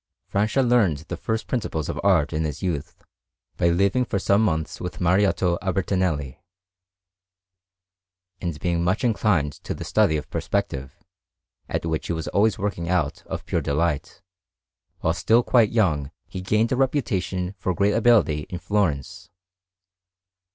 Francia learned the first principles of art in his youth by living for some months with Mariotto Albertinelli. And being much inclined to the study of perspective, at which he was always working out of pure delight, while still quite young he gained a reputation for great ability in Florence.